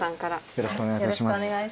よろしくお願いします。